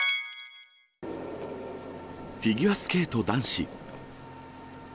フィギュアスケート男子。